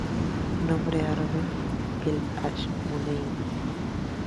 Nombre árabe: "El-Ashmunein".